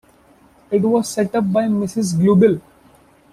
It was set up by Ms. Glubbil.